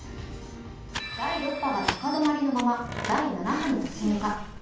第６波が高止まりのまま第７波に突入か。